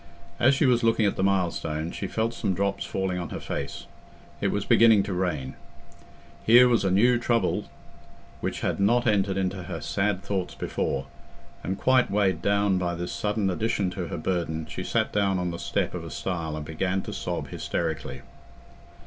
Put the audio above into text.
As she was looking at the milestone she felt some drops falling on her face—it was beginning to rain. Here was a new trouble which had not entered into her sad thoughts before, and quite weighed down by this sudden addition to her burden, she sat down on the step of a stile and began to sob hysterically.